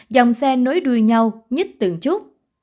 dòng xe nối đuôi nhau nhít từng chút